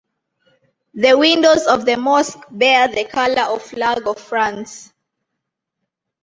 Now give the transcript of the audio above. The windows of the mosque bear the color of flag of France.